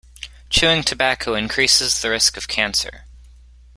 Chewing tobacco increases the risk of cancer.